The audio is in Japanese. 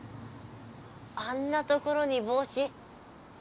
あんなところにぼうし。